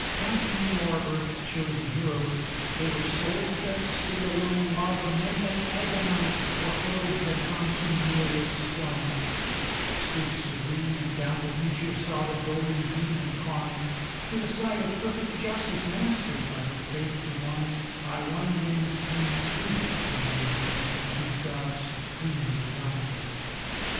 Count me o'er earth's chosen heroes,—they were souls that stood alone, While the men they agonized for hurled the contumelious stone, Stood serene, and down the future saw the golden beam incline To the side of perfect justice, mastered by their faith divine, By one man's plain truth to manhood and to God's supreme design.